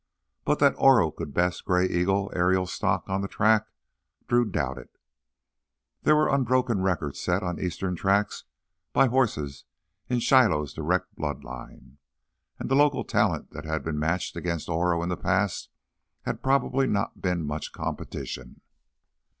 But that Oro could best Gray Eagle Ariel stock on the track, Drew doubted. There were unbroken records set on eastern tracks by horses in Shiloh's direct blood line. And the local talent that had been matched against Oro in the past had probably not been much competition.